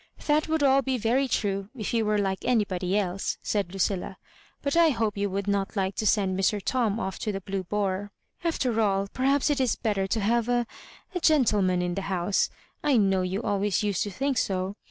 "That would be all very true, if you were like anybody else," saidLudlla; "but I hope you would not like to send Mr. Tom off to the Blue Boar. After all, perhaps it is better to have a — a gentleman in the house. I know you always used to think so.